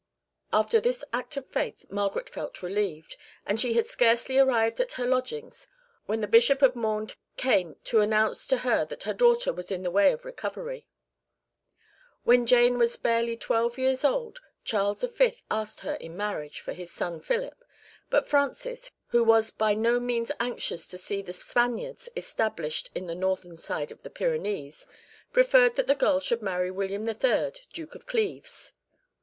After this act of faith Margaret felt relieved, and she had scarcely arrived at her lodgings when the Bishop of Mende came to announce to her that her daughter was in the way of recovery." (2) 1 Brantôme's grandmother. 2 Oraison funèbre, &c, p. 38. When Jane was barely twelve years old Charles V. asked her in marriage for his son Philip, but Francis, who was by no means anxious to see the Spaniards established on the northern side of the Pyrenees, preferred that the girl should marry William III., Duke of Cleves.